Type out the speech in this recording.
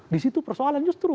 disitu persoalan justru